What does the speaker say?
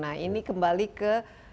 nah ini kembali ke